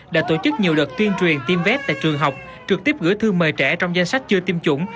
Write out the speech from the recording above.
đã tổ chức nhiều đợt tuyên truyền tiêm vét tại trường học trực tiếp gửi thư mời trẻ trong danh sách chưa tiêm chủng